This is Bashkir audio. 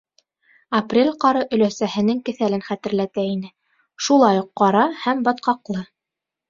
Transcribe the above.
Апрель ҡары өләсәһенең кеҫәлен хәтерләтә ине: шулай уҡ ҡара һәм батҡаҡлы.